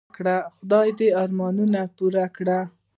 خدای دي ارمانونه پوره کړه .